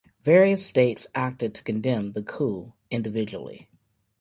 Various states acted to condemn the coup individually.